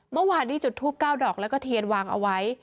เมื่อวานที่จุดทูป๙ดอกแล้วก็เทียนวางเอาไว้